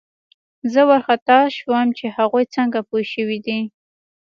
زه وارخطا شوم چې هغوی څنګه پوه شوي دي